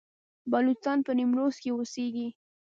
بلوڅان په نیمروز کې اوسیږي؟